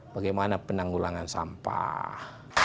bagaimana penanggulangan sampah